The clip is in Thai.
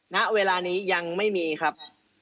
ณเวลานี้ยังไม่มีครับ